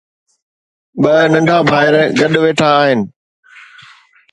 ٻه ننڍا ڀائر گڏ ويٺا آهن